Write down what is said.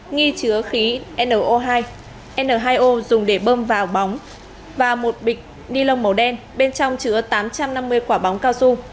nghi chứa khí no hai n hai o dùng để bơm vào bóng và một bịch ni lông màu đen bên trong chứa tám trăm năm mươi quả bóng cao su